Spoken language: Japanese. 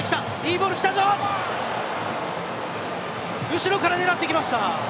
後ろから狙ってきました。